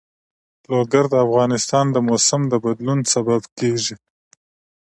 لوگر د افغانستان د موسم د بدلون سبب کېږي.